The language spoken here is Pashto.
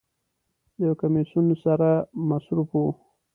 د یو کمیسون سره مصروف و.